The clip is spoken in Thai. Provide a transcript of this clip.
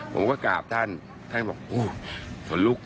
ผมก็กราบท่านท่านบอกโอ้ขนลุก